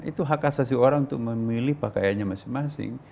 itu hak asasi orang untuk memilih pakaiannya masing masing